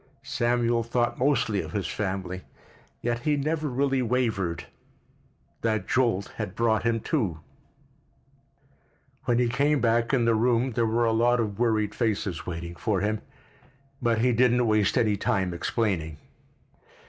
Samuel thought mostly of his family, yet he never really wavered. That jolt had brought him to. When he came back in the room there were a log of worried faces waiting for him, but he didn't waste any time explaining.